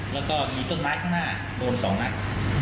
แล้วก็มีต้นไม้ข้างหน้าโดน๒นัด